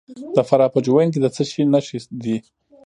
د فراه په جوین کې د څه شي نښې دي؟